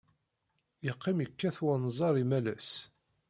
Yeqqim yekkat wenẓar imalas.